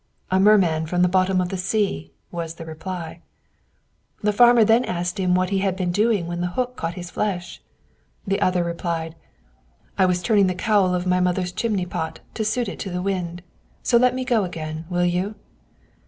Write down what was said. "A merman from the bottom of the sea," was the reply. The farmer then asked him what he had been doing when the hook caught his flesh. The other replied, "I was turning the cowl of my mother's chimney pot, to suit it to the wind. So let me go again, will you?"